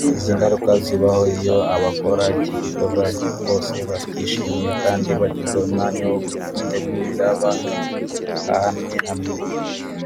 Izi ngaruka zibaho iyo abakora iki gikorwa bose bakishimiye kandi bagize umwanya wo kugitegura bahamye hamwe